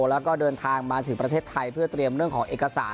แล้วก็เดินทางมาถึงประเทศไทยเพื่อเตรียมเรื่องของเอกสาร